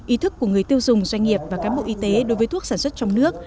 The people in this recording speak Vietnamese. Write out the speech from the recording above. ý thức của người tiêu dùng doanh nghiệp và cán bộ y tế đối với thuốc sản xuất trong nước